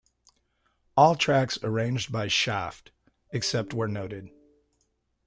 All tracks arranged by Schaft, except where noted.